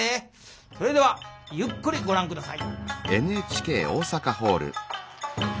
それではゆっくりご覧下さい。